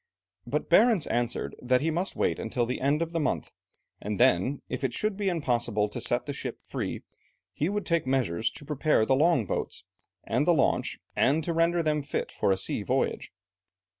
But Barentz answered that he must wait until the end of the month, and then, if it should be impossible to set the ship free, he would take measures to prepare the long boats and the launch, and to render them fit for a sea voyage.